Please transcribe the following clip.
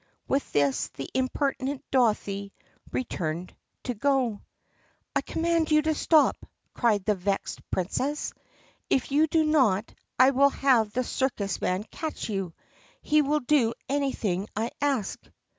With this, the impertinent Dorothy turned to go. "I command you to stop!" cried the vexed Princess. "If you do not I will have the circus man catch you. He will do anything I ask."